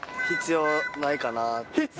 必要ないかなって。